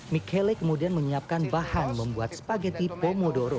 michele kemudian menyiapkan bahan membuat spageti pomodoro